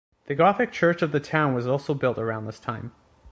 The Gothic church of the town was also built around this time.